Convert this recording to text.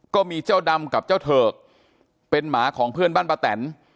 ก็มีเจ้าดำกับเจ้าเถิกเป็นหมาของเพื่อนบ้านป้าแตน